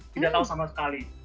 tidak tahu sama sekali